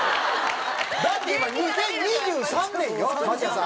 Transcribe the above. だって今２０２３年よまちゃさん。